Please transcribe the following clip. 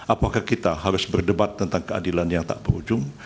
apakah kita harus berdebat tentang keadilan yang tak berujung